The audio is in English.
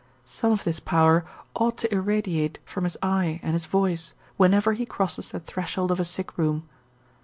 Some of this power ought to irradiate from his eye and his voice whenever he crosses the threshold of a sick room.